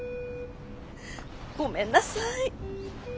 ごめんなさい。